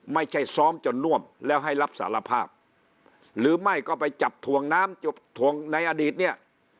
ไม่ใช่ซ้อมจนน่วมแล้วให้รับสารภาพหรือไม่ก็ไปจับถ่วงน้ำถ่วงในอดีตเนี่ย